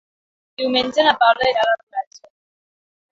Diumenge na Paula irà a la platja.